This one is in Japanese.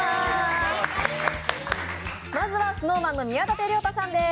まずはＳｎｏｗＭａｎの宮舘涼太さんです。